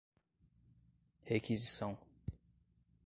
requisição